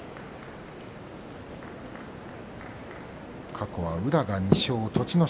過去は宇良が２勝栃ノ